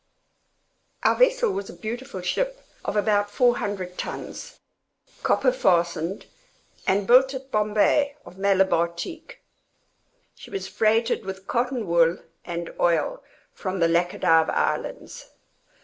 Our vessel was a beautiful ship of about four hundred tons, copper fastened, and built at Bombay of Malabar teak. She was freighted with cotton wool and oil, from the Lachadive islands.